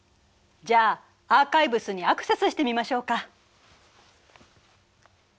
じゃあアーカイブスにアクセスしてみましょうか。